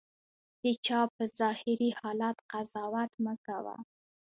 د چا په ظاهري حالت قضاوت مه کوه.